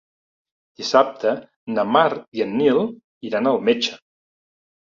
Dissabte na Mar i en Nil iran al metge.